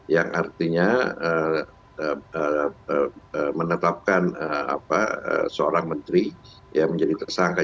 yang artinya menetapkan seorang menteri yang menjadi tersangka